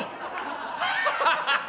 ハハハハハ！